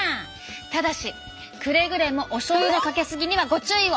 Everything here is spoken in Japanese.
ただしくれぐれもおしょうゆのかけすぎにはご注意を！